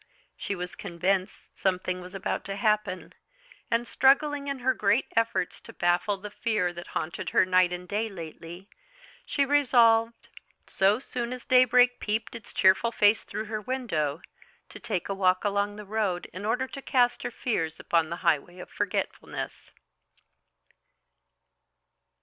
She was convinced something was about to happen, and struggling in her great efforts to baffle the fear that haunted her night and day lately, she resolved, so soon as daybreak peeped its cheerful face through her window, to take a walk along the road in order to cast her fears upon the highway of forgetfulness.